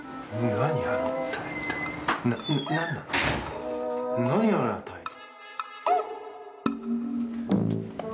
何、あの態度。